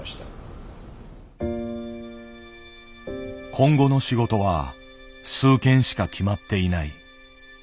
今後の仕事は数件しか決まっていない。